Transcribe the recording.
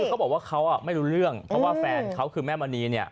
เขาบอกว่าเขาไม่รู้เรื่องเพราะว่าแฟนเขาคือแม่มณีเนี่ย